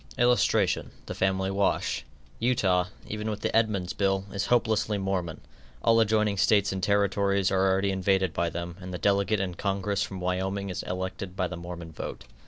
[Illustration: THE FAMILY WASH.] Utah, even with the Edmunds bill, is hopelessly Mormon; all adjoining States and Territories are already invaded by them, and the delegate in Congress from Wyoming is elected by the Mormon vote.